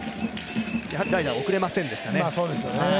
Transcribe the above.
代打は送れませんでしたね。